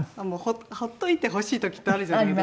放っておいてほしい時ってあるじゃないですか。